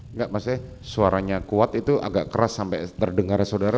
enggak maksudnya suaranya kuat itu agak keras sampai terdengar saudara